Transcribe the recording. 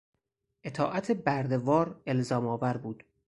اطاعت بردهوار الزامآور بود.